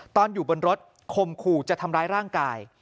ตอนอยู่บนรถคมขู่จะทำร้ายร่างกาย